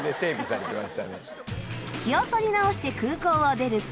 気を取り直して空港を出ると。